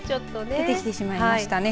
出てきてしまいましたね。